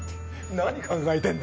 何考えてるんだ？